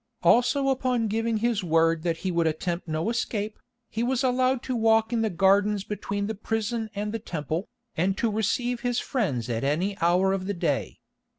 Also upon giving his word that he would attempt no escape, he was allowed to walk in the gardens between the prison and the Temple, and to receive his friends at any hour of the day.